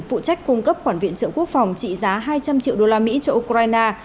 phụ trách cung cấp khoản viện trợ quốc phòng trị giá hai trăm linh triệu đô la mỹ cho ukraine